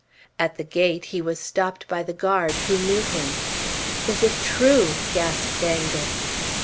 At the gate he was stopped by the guard, who knew him. "Is it true?" gasped Angus.